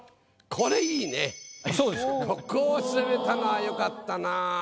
ここを攻めたのは良かったなぁ。